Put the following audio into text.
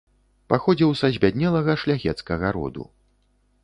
Паходзіў са збяднелага шляхецкага роду.